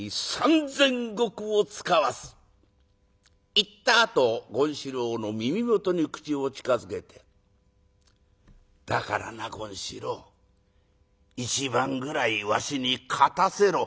言ったあと権四郎の耳元に口を近づけて「だからな権四郎一番ぐらいわしに勝たせろ」。